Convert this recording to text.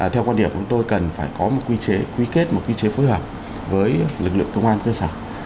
theo quan điểm của chúng tôi cần phải có một quy chế quy kết một quy chế phối hợp với lực lượng công an cơ sở